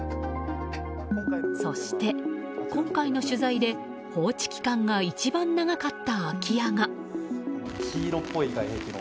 そして、今回の取材で放置期間が一番長かった空き家が。